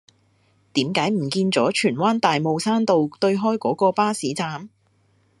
點解唔見左荃灣大帽山道對開嗰個巴士站